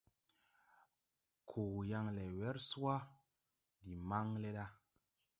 Koo yaŋ le wer swaʼ. Ndi maŋn le ɗa.